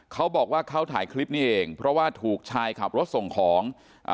เขาบอกว่าเขาถ่ายคลิปนี้เองเพราะว่าถูกชายขับรถส่งของอ่า